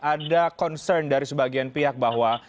ada concern dari sebagian pihak bahwa